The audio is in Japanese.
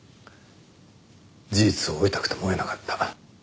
事実を追いたくても追えなかった。